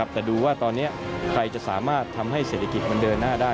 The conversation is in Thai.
แต่ดูว่าตอนนี้ใครจะสามารถทำให้เศรษฐกิจมันเดินหน้าได้